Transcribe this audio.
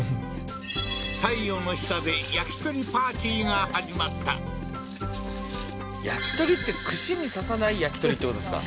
太陽の下で焼き鳥パーティーが始まった焼き鳥ってってことですか？